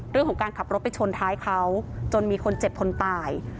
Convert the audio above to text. เรื่องของการขับรถไปชนท้ายเขาจนมีคนเจ็บคนตาย